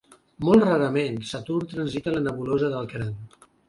Molt rarament, Saturn transita la nebulosa del Cranc.